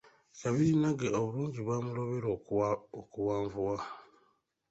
Kabirinnage obulungi bwamulobera okuwanvuwa!